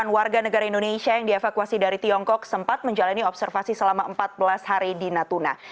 delapan warga negara indonesia yang dievakuasi dari tiongkok sempat menjalani observasi selama empat belas hari di natuna